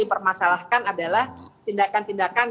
dipermasalahkan adalah tindakan tindakan